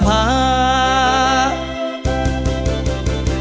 โปรดโจงปรานีพี่เถิดมีนัดผู้แทนวันสุขอยู่กำแพงแสนวันเศร้าผู้แทนประชุมสภา